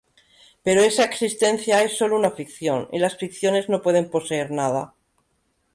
Pero esa existencia es solo una ficción y las ficciones no pueden poseer nada.